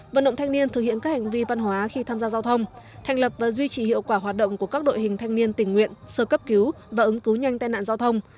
vận động thanh niên thực hiện các hành vi văn hóa khi tham gia giao thông thành lập và duy trì hiệu quả hoạt động của các đội hình thanh niên tình nguyện sơ cấp cứu và ứng cứu nhanh tai nạn giao thông